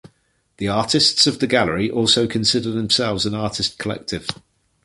The artists of the gallery also consider themselves an artist collective.